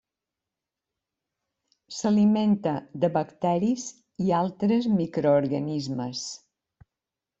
S'alimenta de bacteris i altres microorganismes.